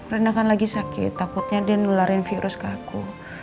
renda kan lagi sakit takutnya dia nularin virus ke aku